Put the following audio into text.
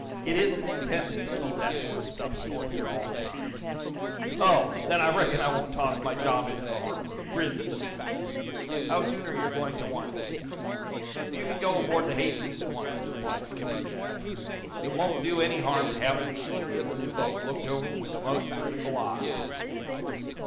"It isn't intended to keep that sort of stuff stored here all the time." "Oh! Then I reckon I won't toss my job into the harbor," grinned the machinist. "How soon are you going to want me?" "You can go aboard the 'Hastings' at once," replied Skipper Jack. "It won't do any harm to have the machinery of the new boat looked over with a most critical eye."